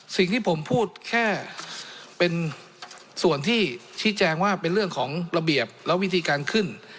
สิ่งที่ผมพูดแค่เป็นส่วนที่ชี้แจงว่าเป็นเรื่องของระเบียบและวิธีการขึ้น